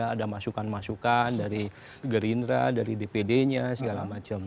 ada masukan masukan dari gerindra dari dpd nya segala macam